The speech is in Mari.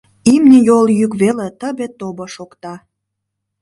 Имне йол йӱк веле тыбе-тобо шокта.